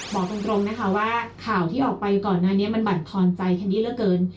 บอกตรงตรงนะคะว่าข่าวที่ออกไปก่อนอันนี้มันบันทรณ์ใจแคนดี้เยอะเกิน